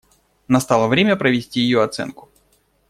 Настало время провести ее оценку.